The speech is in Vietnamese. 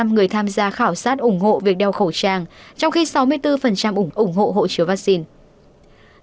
bảy mươi ba người tham gia khảo sát ủng hộ việc đeo khẩu trang trong khi sáu mươi bốn ủng hộ hộ chiếu vaccine